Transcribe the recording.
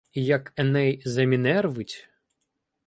І як Еней замінервить.